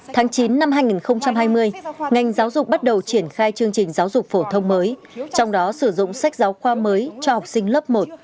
tháng chín năm hai nghìn hai mươi ngành giáo dục bắt đầu triển khai chương trình giáo dục phổ thông mới trong đó sử dụng sách giáo khoa mới cho học sinh lớp một